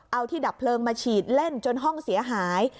เอาที่ดับเพลิงมาฉีดเล่นจนห้องเสียหาย